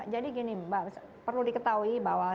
jadi gini perlu diketahui bahwa